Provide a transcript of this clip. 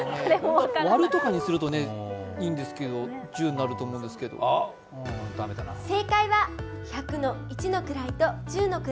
割るとかにするといいんですけど１０になると思うんですけど皆さん、分かりましたか？